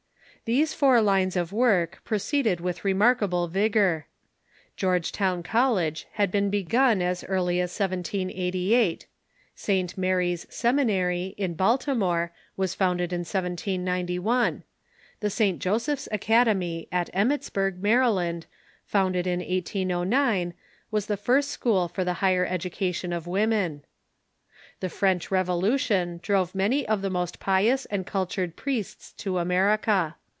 These four lines of work proceeded with remarkable vigor. Georgetown College had been begun as early as 1788. St. Mary's Seminary, in Baltimore, was founded in 1791. The St. Joseph's Academy, at Emmittsburg, Maryland, founded in 1809, was the first school for the higher education of women. The French Revolution drove many of the most pious and cultured priests to America.